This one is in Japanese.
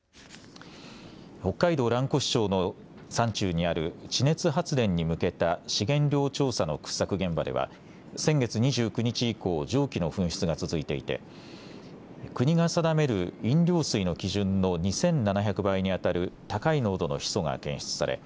北海道蘭越町の山中にある地熱発電に向けた資源量調査の掘削現場では先月２９日以降、蒸気の噴出が続いていて国が定める飲料水の基準の２７００倍にあたる高い濃度のヒ素が検出され